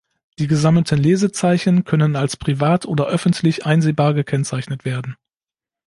Die gesammelten Lesezeichen können als privat oder öffentlich einsehbar gekennzeichnet werden.